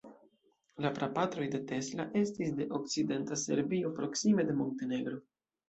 La prapatroj de Tesla estis de okcidenta Serbio, proksime de Montenegro.